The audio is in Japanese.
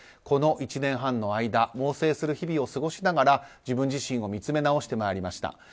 この１年半の間猛省する日々を過ごしながら自分自身を見つめ直してまいりました。